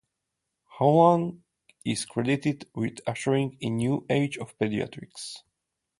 Howland is credited with ushering in the new age of pediatrics.